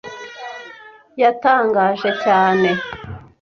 Yatangaje cyane.